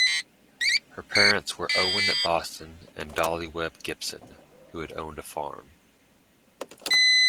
Her parents were Owen Boston and Dollie Webb Gibson who had owned a farm.